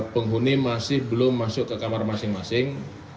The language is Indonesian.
penghuni masih belum masuk ke kamar masing masing